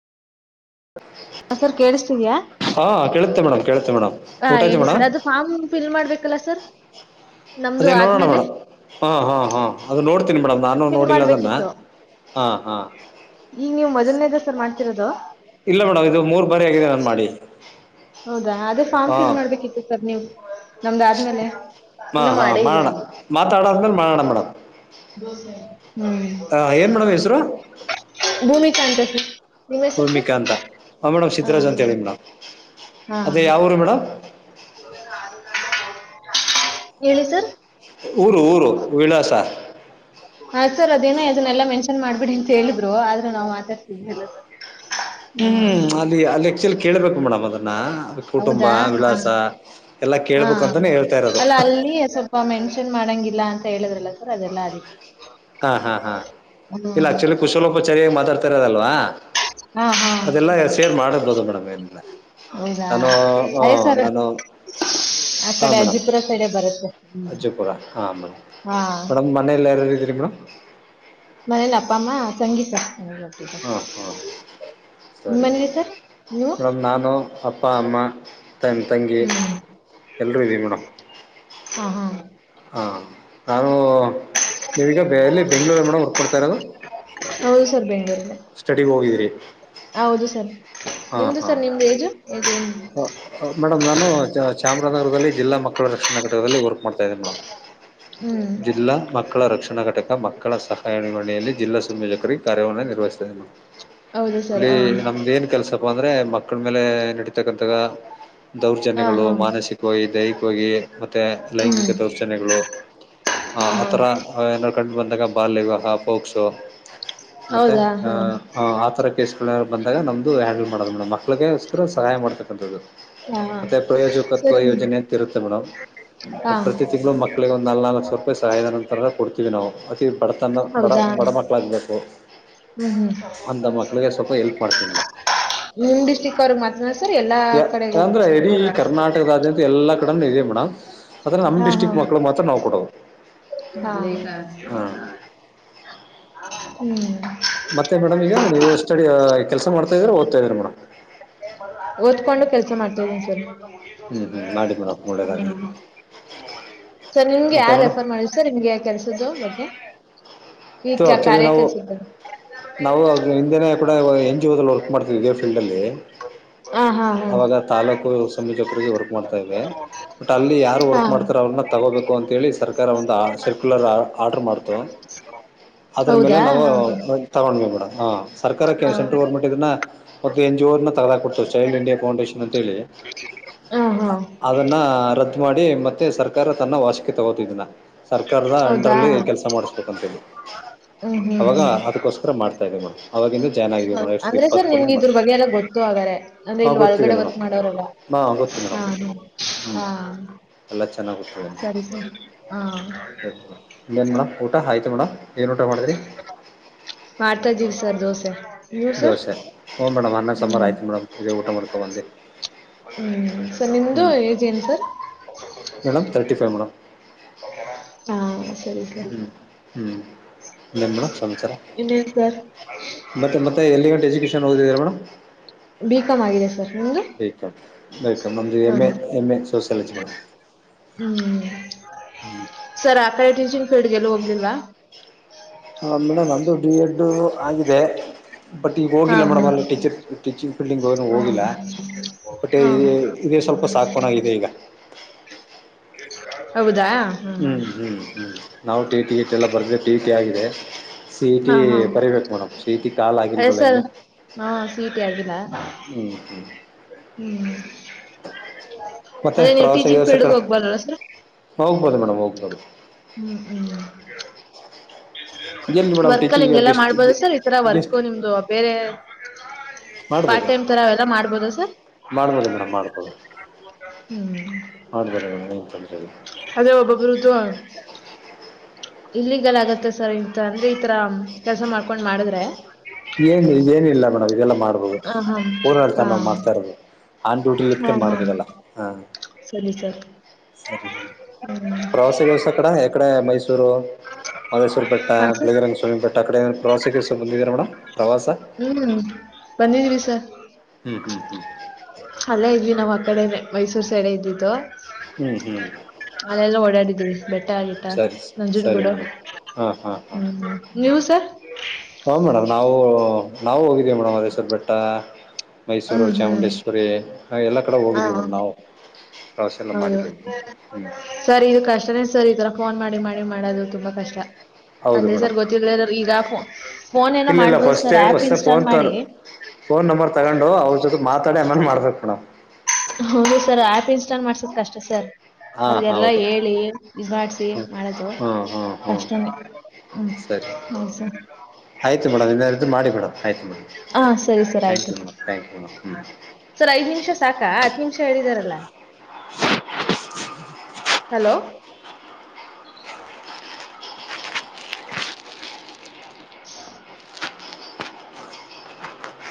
ಹ ಸರ್ ಕೇಳಿಸ್ತಿದ್ಯಾ ಹಾ ಕೇಳುಸ್ತೇ ಮೇಡಮ್ ಕೇಳ್ತೇ ಮೇಡಮ್ [unintelligible] ಹಾ ಆಯ್ತು ಹೇಳಿ ಸರ್ ಮೇಡಮ್ ಅದು ಫಾರ್ಮ್ ಫಿಲ್ ಮಾಡ್ಬೇಕಲ್ಲ ಸರ್ ನಮ್ದು ಅದೇ ನೋಡೋಣ ಆದ್ಮೇಲೆ ಮೇಡಮ್ ಹಾ ಹಾ ಹಾಅದು ನೋಡ್ತೀನಿ ಮೇಡಮ್ ಅದ್ ನಾನು ಫಿಲ್ ನೋಡಿಲ್ಲ ಅದನ್ನ ಮಾಡ್ಬೇಕಿತ್ತು ಹಾ ಹಾ ತಿರೋದು ಆಗಿದೆ ನಾನು ಮಾಡಿ ಹೌದಾ ಅದೇ ಫಾರ್ಮ್ ಫಿಲ್ ಹಾಂ ಮಾಡ್ಬೇಕಿತ್ತು ಸರ್ ನೀವು ನಮ್ದಾದ್ಮೇಲೆ ಹಾಂ ಇನ್ನು ಹಾಂ ಮಾಡೇ ಇಲ್ಲ ಮಾಡೋಣ ಹ್ಮ ಮಾತಾಡಾದ್ಮೇಲೆ ಮಾಡೋಣ ಮೇಡಮ್ ಏನು ಮೇಡಮ್ ಹೆಸರು ಭೂಮಿ [unintelligible] ಚಂತ ಸಿ [inaudible] ಪ್ರೂಮಿಕಾ ಅಂತ ಮೇಡಮ್ ಸಿದಿದ್ದರಾಜ್ ಅಂತ ಹ ಹೇಳಿ ಮೇಡಮ್ ಹಾ ಅದೇ ಯಾವರು ಮೇಡಮ್ ಹೇಳಿ ಸರ್ [unintelligible] ಊರು ಊರು ವಿಳಾಸ ಹ ಸರ್ ಅದೇನ ಅದನ್ನಲ್ಲ ಮೆನ್ಷನ್ ಮಾಡ್ಬಿಡಿ ಅಂತ ಹೇಳಿದ್ರು ಆದ್ರೂ ನಾ್ ಮಾತಾಡ್ತಿದವಿ ಎಲ್ಲ ಹ್ಮ್ಮ್ ಹ್ಮ್ ಅಲ್ಲಿ ಅಲ್ಲಿಕ್ ಚಲ್ ಕೇಳಳ್ಬೇಕು ಮೇಡಮ್ ಅದನ್ನ ಅ ಕುಟುಂಬ ಹೌದಾ ವಿಳಾಸ ಹ ಎಲ್ಲ ಕೇಳ್ಬೇಕು ಅಂತೇ ಹೇಳ್ತಾ ಇರೋದು ಅ ಮೆನ್ಷನ್ ಮಾಡಂಗಿಲ್ಲ ಅಂತ ಹೇಳುದ್ರಲ್ಲ ಸರ್ ಅದೆಲ್ಲ ಅದಿಕ್ಕೆ ಹಾ ಹಾ ಹಾ ಇಲ್ಲ ಆಕ್ಚುಲಿ ಕುಶಲೋಪಚಾರಿಯಾಗ್ ಮಾತಾ ರದಲ್ವಾ ಹಾ ಹಾ ಅದೆಲ್ಲ ಸೇರ್ ಮಾಡ್ಬೋದು ಮೇಡಮ್ ಏನಿಲ್ಲ ಹೌದಾ ನಾನು ಹ ಅದೇ ಸರ್ ನಾನು ಆ ಹ ಕಡೆ ಮೇಡಮ್ ಅಜ್ಜಿಪುರ ಸೈಡೆ ಬರುತ್ತೆ ಹ್ಮ್ ಅಜ್ಜುಪುರ ಹಾ ಹಾ, ಹಾ ಮೇಡಮ್ ಮನೆಲ್ ಯಾರ್ಯಾರ್ ಇದಿರಿ ಮೇಡಂ ಮನೇಲ್ ಅಪ್ಪ ಅಮ್ಮ ತಂಗಿ [unintelligible] ಸರ್ ಹುಟ್ಟಿದ್ದು. ಹಾಂ ಹಾಂ ನಿಮ್ಮ ಸರಿ ಮನೇಲಿ ಸರ್ ನೀವು ಮೇಡಮ್, ನಾನು ಅಪ್ಪ ಅಮ್ಮ ನನ್ ತಂಗಿ ಹ್ಮ್ ಎಲ್ರೂ ಇದೀವಿ ಮೇಡಮ್ ಹಾ ಹಾ ಹಾ ನಾನೂ ನೀವೀಗ ಎಲ್ಲಿ ಬೆಂಗ್ಳೂರ ಮೇಡಮ್ ವರ್ಕ್ ಮಾಡ್ತಾ ಇರೋದು [unintelligible] ಸ್ಟಡಿಗ್ ಹೋಗಿದ್ರಿ ಹೌದು ಸರ್ ನಿಮ್ದು ಸರ್ ನಿಮ್ದು ಏಜ್ ಏನು ಹ [unintelligible] ನಾನು ಚಾಮರಾಜ್ ನಗರ್ದಲ್ಲಿ ಜಿಲ್ಲಾ ಮಕ್ಕಳ ರಕ್ಷಣಾ ಘಟಕದಲ್ಲಿ ವರ್ಕ್ ಮಾಡ್ತಾ ಇದೀನಿ ಮೇಡಮ್ ಹ್ಮ್ ಜಿಲ್ಲಾ ಮಕ್ಕಳ ರಕ್ಷಣಾ ಘಟಕ ಮಕ್ಕಳ ಸಹಾಯ ನಿರ್ವಹಣೆಯಲ್ಲಿ ಜಿಲ್ಲಾ ಸಂಯೋಜಕರಾಗ್ ಕಾರ್ಯವನ್ನ ನಿರ್ವಹಿಸ್ತಾಇದಿನಿ ಮೇಡಂ, ಹೌದು ಸರ್ ಇಲ್ಲಿ ಹಾ ನಮ್ದ್ ಏನ್ ಕೆಲ್ಸಪ್ಪ ಅಂದ್ರೆ ಮಕ್ಳ ಆಮೇಲೇ ಇರ್ತಕ್ಕಂತ ಹಾ ದೌರ್ಜನ್ಯಗಳು ಹಾ ಮಾನಸಿಕವಾಗಿ ದೈಹಿಕವಾಗಿ ಮತ್ತೆ ಹ್ಮ್ ಲೈಂಗಿಕ ದೌರ್ಜನ್ಯಗಳು ಹಾ ಆತರ ಏ ಕಟ್ ಬಂದಾಗ ಬಾಲ್ಯ ವಿವಾಹ - ಪೋಕ್ಸೋ ಮತ್ತೆ ಹೌದಾ ಹಾ ಆ ತರ ಕೇಸ್ಗಳ್ ಬಂದಾಗ ಇದು ಹ್ಯಾಂಡ್ಲು ಮಾಡೋದ್ ಮೇಡ್ಮ್ ಮಕ್ಳಗೆ ಸಹಾಯ ಮಾಡ್ತಕ್ಕಂತದ್ದು ಹಾ ಮತ್ತೆ ಪ್ರಯೋಜುಕತ್ವ ಸರಿ ಯೋಜನೆ ಅಂತಿರುತ್ತೆ ಮೇಡಮ್ ಹಾ ಪ್ರತಿ ತಿಂಗ್ಳು ಮಕ್ಕಳಿಗೆ ಒಂದು ನಾಲ್ ನಾಲ್ಕು ಸಾವ್ರ್ ರೂಪಾಯಿ ಸಾಹಾಯ ನಂತ ಕೊಡ್ತೀವಿ ಅತಿ [unintelligible] ತನ್ನ ಬಡ ಹೌದಾ ಬಡ ಹ್ಮ್ ಮಕ್ಳಾಗ್ ಬೇಕು ಹ್ಮ್ ಅಂದ ಮಕ್ಳಿಗೆ ಸ್ವಲ್ಪ ಎಲ್ಪ್ ಮಾಡ್ತೀವಿ ಮೇಡಮ್ ನಿಮ್ ಡಿಸ್ಟಿಕ್ಕೋರಿಗ್ ಮಾತ್ರನ? ಯ ಅಂದ್ರೆ ಇಡೀ ಕರ್ನಾಟಕದಾದ್ಯಂತ ಎಲ್ಲಾ [unintelligible] ಇದಿ ಮೇಡಂ ಆದ್ರ ನಮ್ ಡಿಸ್ಟ್ರಿಕ್ ಮಕ್ಳು ಮಾತ್ರ ನಾವ್ ಕೊಡೋದು ಹ ಹಾಂ [inaudible] ಹ್ಮ್ ಮತ್ತೆ ಮೇಡಮ್ ಈಗ ನೀವು ಸ್ಟಡಿ ಕೆಲ್ಸ ಮಾಡ ಓದತ ಇದ್ರ ಮೇಡ್ [unintelligible] ಓದ್ಕೊಂಡು ಕೆಲ್ಸ ಮಾಡ್ತಇದಿನಿ ಸರ್ ಹ್ಞೂ ಹ್ಞೂ ಮಾಡಿ ಮೇಡಮ್ ಒಳ್ಳೆಯದಾಗಲಿ [unintelligible] ಸರ್ ನಿಮಗೆ ಮತ್ತೆ ಯಾರ ಮೇಡಮ್ ರೆಫರ್ ಮಾಡ್ ಸರ್ ನಿಮ್ಗೆ ಯ ಕೆಸ [unintelligible] ದ ಬ [unintelligible] ಈ ಇದು ಕ ಆ್ಯಕ್ಚುಲಿ ಕಾರ್ಯ ನಾವು ಕೆಲ್ಸ ಇದ್ದದೆ [unintelligible] [unintelligible] ನಾವು ಹಿಂದೆನಡ ಎಂಜಿ ಹದಲ್ವ [unintelligible] ಮಾಡ್ತಿದ್ದ ಇದೇ ಫೀಲ್ಡಲ್ಲಿ ಹಾ ಹಾ ಹಾ ಅವಾಗ ತಾಲೂಕು ಸಂಯೋಜಕರಿಗೆ ವರ್ಕ್ ಮಾಡ್ತಾ ಇವೆ ಬಟ್ ಅಲ್ಲಿ ಯಾರು ಹಾ ವರ್ಕ್ ಮಾಡ್ತಾರ ಅವ್ರನ್ನ ತಗೋಬೇಕು ಅಂತೇಳಿ ಸರ್ಕಾರ ಒಂದು ಸೆಕ್ಯುಲರ್ ಆ ಆರ್ಡರ್ ಮಾಡ್ತಾರೆ ದ್ರ ಮೇಲೆ ಹೌದಾ ನಾವು ಹಾ ಹಾ ತಗೊಂಡವಿ ಮೇಡಮ್ ಹ ಸರ್ಕಾರಕ್ಕೆ ಹಾ ಸೆಂಟ್ರಲ್ ಗೌರ್ಮೆಂಟ್ ಇದನ್ನ ಮತ್ತೆ ಎಂಜೂರ್ನ ತಗದಾಕ ಕೊಡ್ತ ಚೈಲ್ಡ್ ಇಂಡಿಯಾ ಪೌಂಡೇಶನ್ ಅಂತ ಹೇಳಿ ಹಾ ಹಾ. ಅದನ್ನ ರದ್ದು ಮಾಡಿ ಮತ್ತೆ ಸರ್ಕಾರ ಪ್ರಕಾರ ತನ್ನ ವಾಸಕ್ಕೆ ತಗೋತಿದಿಲ್ಲ ಸರ್ಕಾರದ ಹೌದಾ ಅಂಡರ್ಲ್ಲಿ ಕೆಲಸ ಮಾಡಿಸಬೇಕಂತಿದವಿ ಅವಾಗ ಅದಕ್ಕೋಸ್ಕರ ಮಾಡ್ತಾ ಇದೀವಿ ಮೇಡ್ ಹ ಅಂದ್ರೆ ಸರ್ ನಿಮ್ಗೆ ಇದ್ರ ಮಾಡ್ತೀವಿ ಬಗ್ಗೆ ಎಲ್ಲ ಗೊತ್ತು ಆಗಾರೆ ದೆ ಹಾಂ ಗೊತ್ತಿದೆ ಒಳಗಡೆ ವರ್ಕ್ ಮೇಡಮ್ ಮಾಡೋರಲ ಹಾಂ ಗೊತ್ತು ಮೇಡಮ್ ಹಾ ಗೊತ್ತು ಮೇಡಮ್. ಹ್ಞೂ ಹಾ ಹಾ ಎಲ್ಲ ಚೆನ್ನಾಗಿ ಗೊತ್ತಿದ್ದಾನೆ ಸರಿ ಸರಿ ಹಾ ಇನ್ನೇನು ಮೇಡಮ್ ಊಟ ಆಯಿತು ಮೇಡಮ್ ಏನು ಊಟ ಮಾಡಿದ್ರಿ ಮಾಡ್ತಾದೀವಿ ಸರ್ ದೋಸೆ ಯವು ಸರ್ ದೋಸೆ ಹ್ಞೂ ಮೇಡಮ್ ಅನ್ನ ಸಾಂಬಾರು ಹ್ಮ ಆಯಿತು ಮೇಡಮ್ ಇದೇ ಊಟ ಮಾಡ್ಕೊಬಂದು ಹ್ಮ ಸರ್ ಹ್ಞೂ ನಿಮ್ದು ಏಜ್ ಏನ್ sir madam thirty five madam ಹಾ ಸರಿ ಸರ್ ಹ್ಮ್ ಹ್ಮ್ ಏನ್ ಮೇ ಸಚರ ಇನ್ನೇನ್ ಸರ್ ಮತ್ತೆ ಮತ್ತೆ ಎಲ್ಲಿ ಎಜುಕ ಹೋಗದದೀರಾ ಮೇಡ್ ಬಿಕಾಮ್ ಆಗಿದೆ ಸರ್ ನಿಮ್ದು ವಲ್ಕ ವೆಲ್ಕ್ ನಮ ಹಾ M A M A sociology madam ಸರಾಕ ಟೂಷನ್ ಫೀಲ್ಡ್ ಗೆ ಎಲ್ಲೂ ಹೋಗ್ಲಿಲ್ವಾ ಹಾ ಮೇಡಮ್ ನಂದು ಡಿ ಎಡ್ ಆಗಿದೆ ಬಟ್ ಈಗ ಹಾ ಹೋಗಿಲ್ಲ ಮೇಡಮ್ ಅಲ್ಲಿ ಹಾ ಟೀಚರ್ ಟೀಚಿಂಗ್ ಫೀಲ್ಡಿಂಗ್ ಏನು ಹೋಗಿಲ್ಲ ಬಟ್ ಹಾ ಹಾ ಇದೆ ಸ್ವಲ್ಪ ಸಾಕನಾಗಿದೆ ಈಗ ಹೌದಾ ಹಾ ಹಾ ಹ್ಮ್ ಹ್ಮ್ ಹ್ಮ್ ನಾವು ಟಿಟಿ ಗಿಟ್ ಎಲ್ಲ ಬರ್ದ್ರ ಟಿ ಟಿ ಆಗ ಇದೆ ಸಿಟಿ ಬರಬೇಕು ಮೇಡಮ್ ಸಿಟಿ ಪ ಹೆಸರ್ ಹಾ ಸ ಟಿ ಆಗಿಲ್ಲ ಹ್ಮ್ ಹ್ಮ್ ಮತ್ತೆ [unintelligible] ನೀವು ಪ್ರವಾಸ ಟೀಚಿಂಗ್ ಗಿವಾಸ ಫೀಲ್ಡ್ಗೆ ಕಡೆ ಹೋಗ್ಬದ ಸರ್ ಹೌದ ಹ್ಮ್ ಹ್ಮ ಎಲ್ಲಿ ಮೇಡಮ್ ವರ್ಕ್ಲ್ಲಿ ಟೀಚಿಂಗ್ ಹಿಂಗೆಲ್ಲಾ ಗೆಸ್ಟ್ ಮಾಡ್ಬೋದು ಸರ್ ಈತರ ವರ್ಕ್ ಗೆಸ್ಟ್ ನಿಮ್ದು ಬೇರೆ [inaudible] ಪಾರ್ಟ್ ಮಾಡ್ಬೋದು ಟೈಮ್ ತರಾವ ಎಲ್ಲ ಮಾಡ್ಬೋದ ಸರ್ ಮಾಡ್ಬೋದು ಮೇಡಮ್ ಮಾಡ್ಬೋದು ಮಾಡ್ಬೋದು ಮೇಡಮ್ ಏನು ತೊಂದರೆ ಇಲ್ಲ ಅದೇ ಒಬ್ಬ್ರುದು ಇಲ್ಲೀಗಲ್ ಆಗತ್ತೆ ಸರ್ ಇಂತ ಅಂದ್ರೆ ಈತರ ಕೆಲ್ಸ ಮಾಡ್ಕೊಂಡ್ ಮಾಡಿದ್ರೆ ಹೂ ಹ ಹಾ ಊರಲ್ತ ಹಾ ನಾವು ಮಾಡ್ತಾ ಇರೋದು ಆನ್ ಡ್ಯೂಟಿಲಿ ಹಾ ಇತ್ಕೊಂಡ ಹಾ ಮಾಡ್ಕೋದಲ್ಲ ಹ ಸರಿ ಸರ್ ಸರಿ ಮೇಡ ಪ್ರವಾಸ್ಯವಸ ಕಡಕಡೆ ಮೈಸೂ ಕಿರು ಮೈಸೂರು ಬೆಟ್ಟ ಹಾ ಸರ್ ಬೆಳಗಿರಂಗಸ್ವಾಮಿ ಬೆಟ್ಟ ಆ ಕಡೆ ಪ್ರವಾಸ ಗಿವಾಸ ಬಂದಿದಿರ ಮೇಡಂ ಹ್ಮ್ ಬಂದಿದೀವಿ ಸರ್ ಹ್ಮ್ ಹ್ಮ್ ಹ್ಮ್ ಅಲ್ಲೇ ಇದ್ವಿ ನಾವ್ ಆ ಕಡೆನೆ ಮೈಸೂರು ಸೈಡೆ ಇದ್ದಿದ್ದು ಹ್ಮ್ ಹ್ಮ್ ಅಲ್ಲೆಲ್ಲ ಓಡಾಡಿದಿನಿ ಬೆಟ್ಟ ಗಿಟ್ಟ ಸರಿ ನಂಜನ್ ಸರಿ ಗೂಡು ಮೇಡಮ್ ಹಾ ಹಾ ಹಾ ಹ್ಮ ನೀವು ಸರ್ ಹಾ ಮೇಡಮ್ ನಾವು ನಾವು ಹೋಗಿದ್ದೀವಿ ಮೇಡ ಮೈಸೂರು ಬೆಟ್ಟ ಮೈಸೂರು ಹ್ಮ್ ಹ್ಮ್ ಚಾಮುಂಡೇಶ್ವರಿ ಎಲ್ಲಾ ಕಡೆ ಹಾ ಹೋಗಿದೀ ಮಾಮ್ ನಾವು ಪ್ರವಾಸ ಎಲ್ಲ ಹೌದು ಮಾಡಿದ್ದೀವಿ ಹ್ಮ್ ಸರಿ ಇದಕ್ ಅಷ್ಟನೆೇ ಸರಿ ಈ ತರ ಫೋನ್ ಮಾಡಿ ಮಾಡ ಮಾಡೋದು ತುಂಬಾ ಕಷ್ಟ ಹೌದು ಅಂದ್ರೆ ಮೇಡಂ ಸರ್ ಗೊತ್ತಿಲ್ಲ ಇರೋರು ಈಗ ಫೋನ್ ಏನೋ ಇಲ್ಲ ಇಲ್ಲ ಮಾಡ್ಬೋದು ಫಸ್ಟೇ sir app first install phone ತ ಮಾಡಿ ಫೋನ್ ನಂಬರ್ ತಗೊಂಡು ಅವ್ರ ಜೊತೆ ಮಾತ ತಡೆಮನ್ [unintelligible] ಮಾಡ್ಬೇಕ್ ಮೇಡಂ ಹೌದು ಸರ್ ಆಪ್ ಇನ್ಸ್ಟಾಲ್ ಮಾಡ್ಸದ್ ಕಷ್ಟ ಸರ್ ಹಾ ಅವ್ರಿಗೆಲ್ಲಾ ಹೌದು ಹೇಳಿ ಇದ್ ಮಾಡ್ಸಿ ಹ್ಮ್ ಮಾಡದು ಹ್ಮ್ ಹ್ಮ್ ಹ್ಮ್ ಕಷ್ಟನೆ ಹ್ಮ [unintelligible] ಆಯ್ತ ಮೇಡಮ್ ಇನೆನಿದ್ರೆ ಮಾ ಮಾಡಿ ಮೇಡಂ ಹ ಸರಿ ಸರ್ ಆಯ್ತು ಥ್ಯಾಂಕ್ ಯು ಮೇಡಮ್ ಹ್ಞೂ ಸರ್ ಐದ್ ನಿಮಿಷ ಸಾಕ ಹತ್ ನಿಮಿಷ ಹೇಳಿದಾರಲ್ಲ. [inaudible] ಹಲೋ [inaudible] [inaudible]